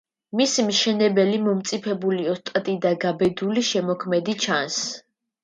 მისი მშენებელი მომწიფებული ოსტატი და გაბედული შემოქმედი ჩანს.